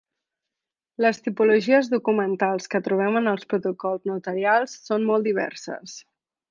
Les tipologies documentals que trobem en els protocols notarials són molt diverses.